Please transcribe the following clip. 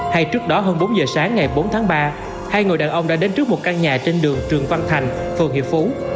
hay trước đó hơn bốn giờ sáng ngày bốn tháng ba hai người đàn ông đã đến trước một căn nhà trên đường trường văn thành phường hiệp phú